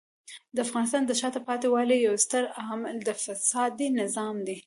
د افغانستان د شاته پاتې والي یو ستر عامل د فسادي نظام دی.